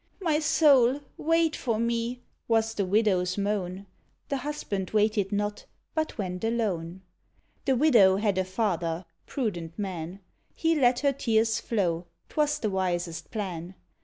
"My soul, wait for me!" was the Widow's moan. The husband waited not, but went alone. The Widow had a father prudent man! He let her tears flow; 'twas the wisest plan.